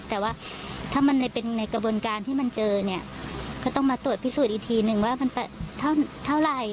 แต่ว่าถ้ามันเป็นในกระบวนการที่มันเจอเนี่ยก็ต้องมาตรวจพิสูจน์อีกทีนึงว่ามันเท่าไหร่